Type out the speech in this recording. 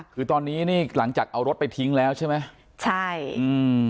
คือตอนนี้นี่หลังจากเอารถไปทิ้งแล้วใช่ไหมใช่อืม